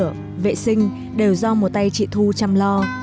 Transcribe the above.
tắm sửa vệ sinh đều do một tay chị thu chăm lo